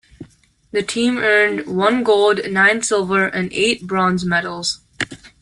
The team earned one gold, nine silver and eight bronze medals.